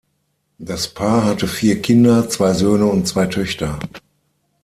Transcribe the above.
Das Paar hatte vier Kinder, zwei Söhne und zwei Töchter.